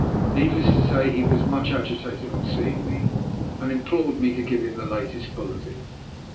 Needless to say he was much agitated on seeing me, and implored me to give him the latest bulletin.